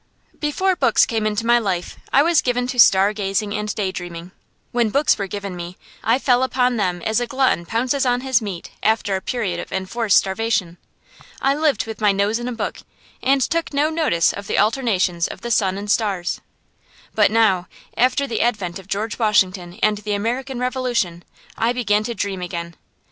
Before books came into my life, I was given to stargazing and daydreaming. When books were given me, I fell upon them as a glutton pounces on his meat after a period of enforced starvation. I lived with my nose in a book, and took no notice of the alternations of the sun and stars. But now, after the advent of George Washington and the American Revolution, I began to dream again.